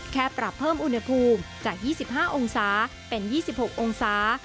แค่ปรับเพิ่มอุณหภูมิจาก๒๕องศาเป็น๒๖องศา